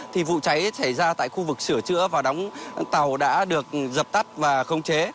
thì vụ cháy xảy ra tại khu vực sửa chữa và đóng tàu đã được dập tắt và khống chế